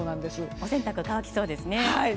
お洗濯、乾きそうですね。